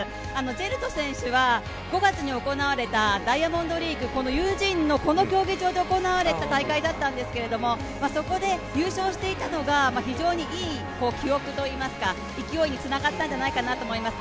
ジェルト選手は５月に行われたダイヤモンドリーグこのユージーンのこの競技場で行われ大会だったんですけどそこで優勝していたのが、非常にいい記憶といいますか勢いにつながったんじゃないかなと思います。